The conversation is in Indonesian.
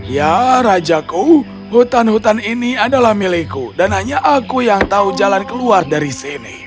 ya rajaku hutan hutan ini adalah milikku dan hanya aku yang tahu jalan keluar dari sini